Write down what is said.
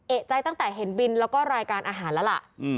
เอกใจตั้งแต่เห็นบินแล้วก็รายการอาหารแล้วล่ะ